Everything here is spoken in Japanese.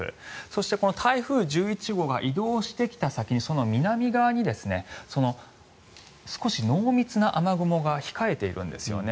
そしてこの台風１１号が移動してきた先、その南側に少し濃密な雨雲が控えているんですよね。